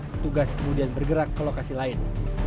petugas kemudian bergerak ke lokasi lain